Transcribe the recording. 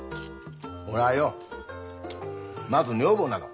俺はよまず女房なの。